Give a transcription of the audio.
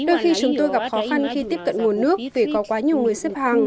đôi khi chúng tôi gặp khó khăn khi tiếp cận nguồn nước vì có quá nhiều người xếp hàng